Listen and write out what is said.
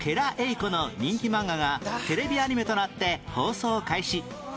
この人気漫画がテレビアニメとなって放送開始